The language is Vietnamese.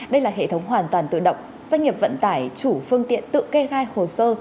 đây là hệ thống hoàn toàn tự động doanh nghiệp vận tải chủ phương tiện tự kê khai hồ sơ